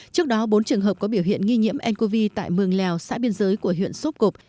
trước đó bốn trường hợp có biểu hiện nghi nhiễm ncov tại mường lèo xã biên giới của huyện sốp cộp